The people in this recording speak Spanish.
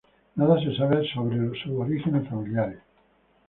Nada se sabe acerca de sus orígenes familiares.